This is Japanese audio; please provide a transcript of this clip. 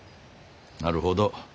なるほど。